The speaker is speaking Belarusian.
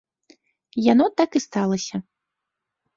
Яно так і сталася.